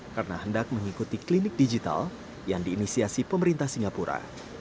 karena hendak mengikuti klinik digital yang diinisiasi pemerintah singapura